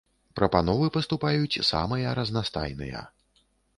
Прапановы паступаюць самыя разнастайныя.